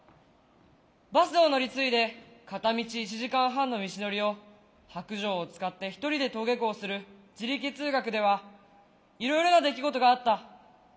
バスを乗り継いで片道１時間半の道のりを白じょうを使って一人で登下校する「自力通学」ではいろいろな出来事があった。